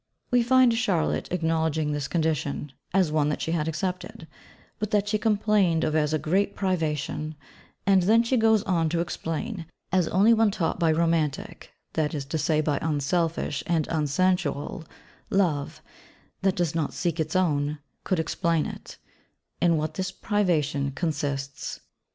We find Charlotte acknowledging this condition, as one that she had accepted, but that she complained of as a great 'privation': and she then goes on to explain (as only one taught by romantic, that is to say by unselfish, and unsensual, love, that 'does not seek its own,' could explain it) in what this 'privation' consists.